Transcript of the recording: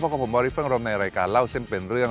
กับผมวาริสเฟิงรมในรายการเล่าเส้นเป็นเรื่อง